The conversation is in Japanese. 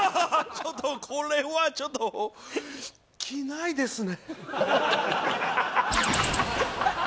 ちょっとこれはちょっと着ないですね